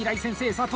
佐藤。